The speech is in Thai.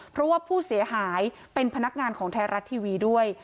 เพราะว่าผู้เสียหายเป็นพนักงานของไทยรัฐทีวีด้วย